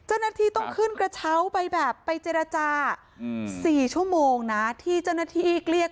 เจ้านาทีต้องขึ้นกระเช้าไปแบบไปเจรจาอืมสี่ชั่วโมงนะที่เจ้านาทียีกเรียก